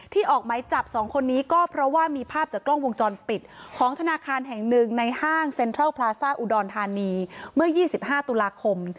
ออกไหมจับ๒คนนี้ก็เพราะว่ามีภาพจากกล้องวงจรปิดของธนาคารแห่งหนึ่งในห้างเซ็นทรัลพลาซ่าอุดรธานีเมื่อ๒๕ตุลาคม